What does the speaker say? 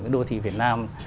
đô thị việt nam